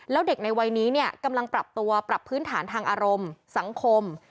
แล้วเด็กในวัยนี้เนี่ยกำลังปรับตัวปรับพื้นฐานทางอารมณ์สังคม